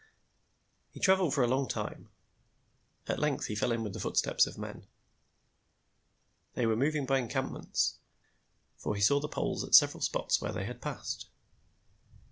He traveled for a long time. At length he fell in with the footsteps of men. They were moving by encampments, for he saw the poles at several spots where they had passed.